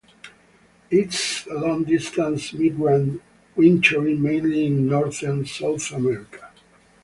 It is a long-distance migrant, wintering mainly in northern South America.